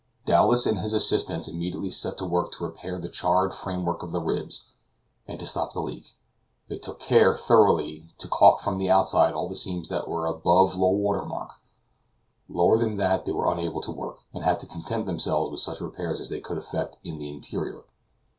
Dowlas and his assistants immediately set to work to repair the charred frame work of the ribs, and to stop the leak; they took care thoroughly to calk from the outside all the seams that were above low water mark; lower than that they were unable to work, and had to content themselves with such repairs as they could effect in the interior.